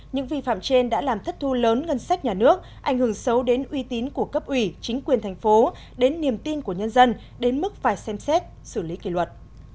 những vi phạm trên đã làm thất thu lớn ngân sách nhà nước ảnh hưởng xấu đến uy tín của cấp ủy chính quyền thành phố đến niềm tin của nhân dân đến mức phải xem xét xử lý kỷ luật